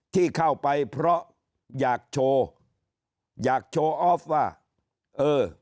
ที่เข้าไปเพราะอยากโชว์อยากโชว์ออฟว่าเออ